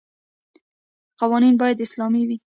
قوانین باید اسلامي وي.